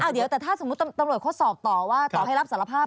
เดี๋ยวแต่ถ้าสมมุติตำรวจเขาสอบต่อว่าต่อให้รับสารภาพ